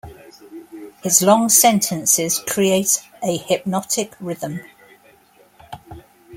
His long sentences create a hypnotic rhythm.